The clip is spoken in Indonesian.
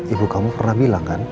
ibu kamu pernah bilang kan